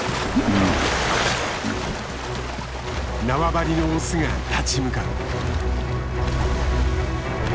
縄張りのオスが立ち向かう。